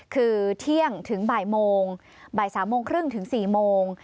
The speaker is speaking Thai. คือเที่ยงถึงบ่ายโมงบ่าย๓โมงครึ่งถึง๔โมง